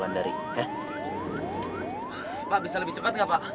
ada yang lupa